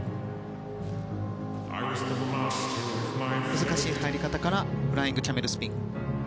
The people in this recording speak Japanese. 難しい入り方からフライングキャメルスピン。